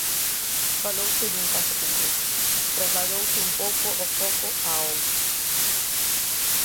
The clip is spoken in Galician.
Falouse dun caso concreto, trasladouse un pouco o foco a Outes.